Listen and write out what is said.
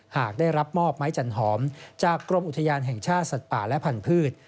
หากได้รับมอบไม้จันหอมจากกรมอุทยานแห่งชาติสัตว์ป่าและพันธุ์